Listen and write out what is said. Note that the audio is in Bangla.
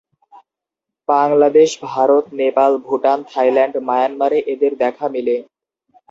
বাংলাদেশ, ভারত, নেপাল, ভুটান, থাইল্যান্ড, মায়ানমারে এদের দেখা মেলে।